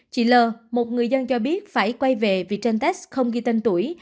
chị l một người dân cho biết phải quay về vì trên test không ghi tên tuổi